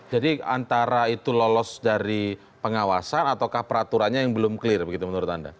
jadi antara itu lolos dari pengawasan ataukah peraturannya yang belum clear begitu menurut anda